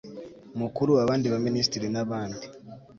mukuru. abandi ba minisitiri n'abandi